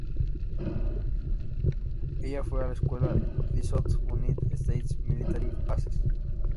Ella fue a la escuela "List of United States military bases".